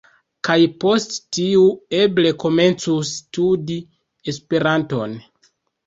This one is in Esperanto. Kaj post tiu eble komencus studi Esperanton